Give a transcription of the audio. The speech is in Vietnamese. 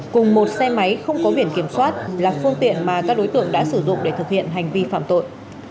cùng một xe máy không có biển kiểm soát là phương tiện mà các đối tượng đã sử dụng để thực hiện hành vi phạm tội